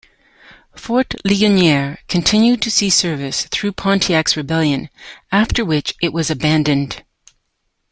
Fort Ligonier continued to see service through Pontiac's Rebellion, after which it was abandoned.